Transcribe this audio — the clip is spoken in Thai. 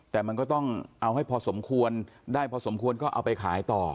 แต่มันก็ต้องเอาให้พอสมควรได้พอสมควรก็เอาไปขายต่อ